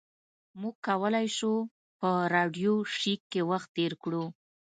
موږ کولی شو په راډیو شیک کې وخت تیر کړو